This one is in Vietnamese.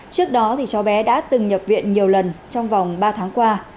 trước đó cháu bé đã từng nhập viện nhiều lần trong vòng ba tháng qua